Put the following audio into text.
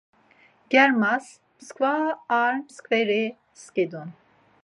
Germas mskva ar mskveri skidun.